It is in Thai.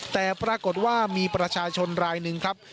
แต่ปรากฏว่ามีประชาชนรายหนึ่งครับ